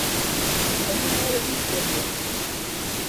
Anwa ara yi-d-yallen?